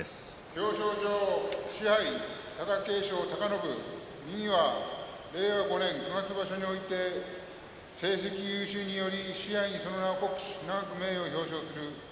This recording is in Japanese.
表彰状賜盃貴景勝貴信右は令和５年九月場所において成績優秀により賜盃に、その名を刻し永く名誉を表彰する。